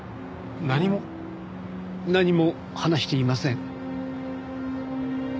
何も話していません。